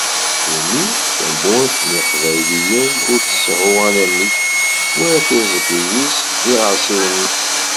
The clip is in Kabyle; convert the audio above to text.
Imi Tamurt n Yiqbayliyen ur tseɛɛu anamek war tiẓgi-s d yiɣersiwen-is.